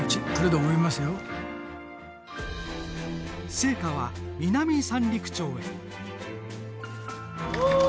聖火は南三陸町へ。